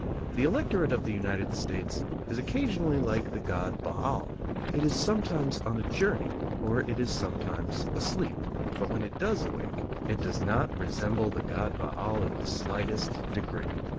The electorate of the United States is occasionally like the god Baal: it is sometimes on a journey or it is sometimes asleep; but when it does awake, it does not resemble the god Baal in the slightest degree.